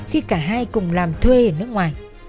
hay cùng làm thuê ở nước ngoài